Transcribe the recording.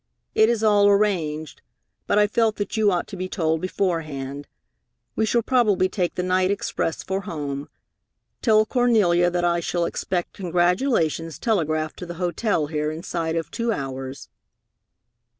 It is all arranged, but I felt that you ought to be told beforehand. We shall probably take the night express for home. Tell Cornelia that I shall expect congratulations telegraphed to the hotel here inside of two hours."